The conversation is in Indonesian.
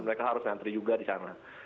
karena kita harus ngantri juga di sana